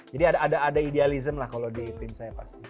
jadi ada idealism lah kalau di tim saya pasti